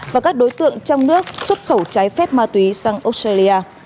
và các đối tượng trong nước xuất khẩu trái phép ma túy sang australia